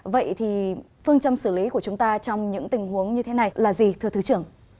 vậy thì phương châm xử lý của chúng ta trong những tình huống như thế này là gì thưa thứ trưởng